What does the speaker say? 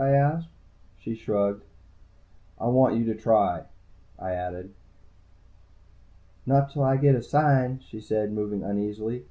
I asked. She shrugged. "I want you to try," I added. "Not till I get a sign," she said, moving uneasily.